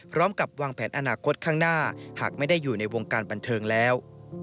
พร้อมกับวางแผนอนาคตข้างหน้าหากไม่ได้อยู่ในวงการบันเทิงแล้ว